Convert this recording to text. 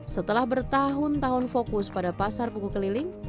setelah bertahun tahun fokus pada pasar buku keliling